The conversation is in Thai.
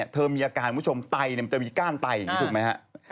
เธอมีอาการผู้ชมไตมันจะมีก้านไตถูกไหมฮะ